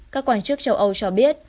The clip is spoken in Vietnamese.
các quan chức châu âu cho biết